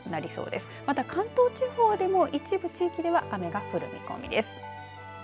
また関東地方でも一部地域では雨が降る見込みです。